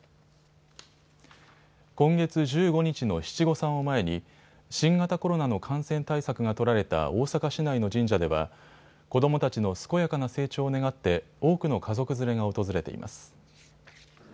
今月１５日の七五三を前に新型コロナの感染対策が取られた大阪市内の神社では子どもたちの健やかな成長を願って多くの家族連れが訪れています。